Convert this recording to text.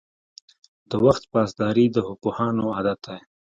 • د وخت پاسداري د پوهانو عادت دی.